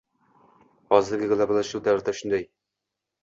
Hozirgi globallashuv davrida shunday.